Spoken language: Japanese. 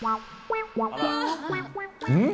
うん？